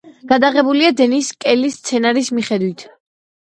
გადაღებულია დენის კელის სცენარის მიხედვით.